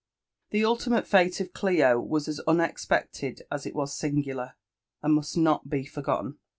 The ultioKiite fate of Clio was as unexpected as it was singular, and must not be forgotten.